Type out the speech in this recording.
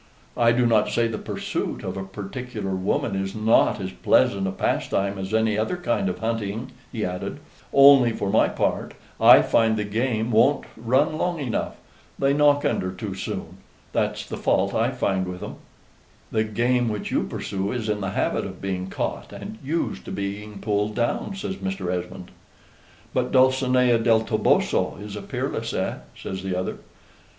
I do not say the pursuit of a particular woman is not as pleasant a pastime as any other kind of hunting," he added; "only, for my part, I find the game won't run long enough. They knock under too soon that's the fault I find with 'em." "The game which you pursue is in the habit of being caught, and used to being pulled down," says Mr. Esmond. "But Dulcinea del Toboso is peerless, eh?" says the other.